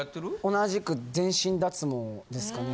同じく全身脱毛ですかね。